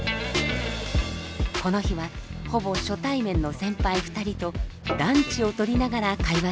この日はほぼ初対面の先輩２人とランチをとりながら会話することに。